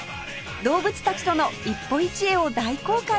動物たちとの一歩一会を大公開します